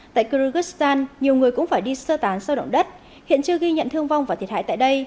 tại kyrgyzstan nhiều người cũng phải đi sơ tán sau động đất hiện chưa ghi nhận thương vong và thiệt hại tại đây